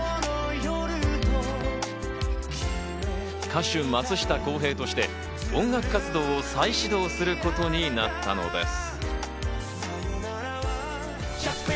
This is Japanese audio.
歌手・松下洸平として音楽活動を再始動することになったのです。